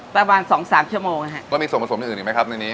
ประมาณสองสามชั่วโมงนะฮะแล้วมีส่วนผสมอื่นอีกไหมครับในนี้